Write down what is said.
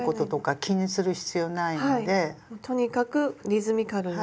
とにかくリズミカルに。